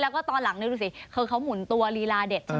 แล้วก็ตอนหลังนี่ดูสิคือเขาหมุนตัวลีลาเด็ดใช่ไหม